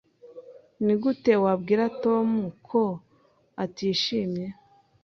Nigute wabwira Tom ko atishimye?